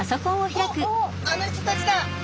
あの人たちだ！